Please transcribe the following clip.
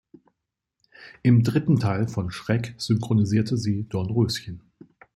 Im dritten Teil von Shrek synchronisierte sie Dornröschen.